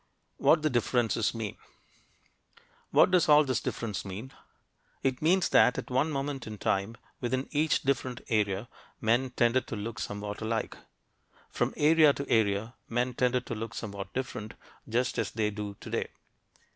WHAT THE DIFFERENCES MEAN What does all this difference mean? It means that, at one moment in time, within each different area, men tended to look somewhat alike. From area to area, men tended to look somewhat different, just as they do today.